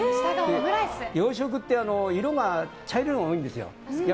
洋食って色が茶色いのが多いんですよ。